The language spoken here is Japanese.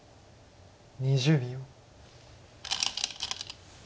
２０秒。